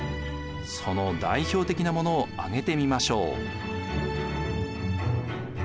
その代表的なものを挙げてみましょう。